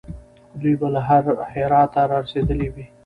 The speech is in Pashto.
دوی به له هراته را رسېدلي وي.